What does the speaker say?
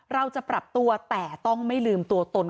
เราจะปรับตัวแต่ต้องไม่ลืมตัวตน